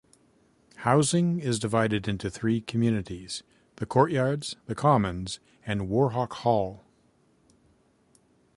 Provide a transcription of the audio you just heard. Housing is divided into three communities: The Courtyards, The Commons, and Warhawk Hall.